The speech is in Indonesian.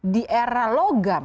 di era logam